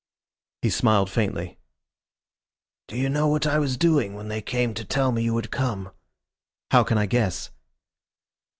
He smiled faintly. "Do you know what I was doing when they came to tell me you had come?" "How can I guess?"